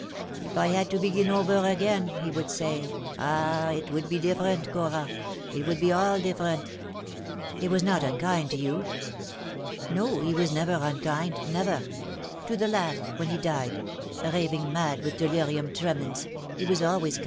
'If I had to begin over again,' he would say, 'ah, it would be different, Cora, it would be all different.' " "He was not unkind to you?" "No, he was never unkind, never. To the last, when he died raving mad with delirium tremens, he was always IQ2 THE DAY WILL COME.